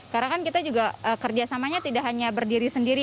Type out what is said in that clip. karena kan kita juga kerjasamanya tidak hanya berdiri sendiri